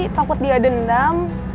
takut dia dendam